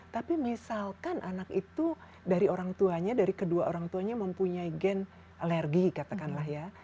tapi misalkan anak itu dari orang tuanya dari kedua orang tuanya mempunyai gen alergi katakanlah ya